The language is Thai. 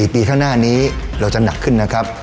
ปีข้างหน้านี้เราจะหนักขึ้นนะครับ